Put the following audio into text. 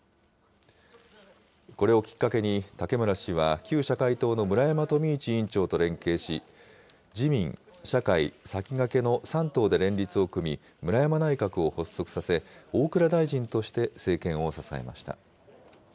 これをきっかけに武村氏は旧社会党の村山富市委員長と連携し、自民、社会、さきがけの３党で連立を組み、村山内閣を発足させ、大蔵大臣として政権を支えました。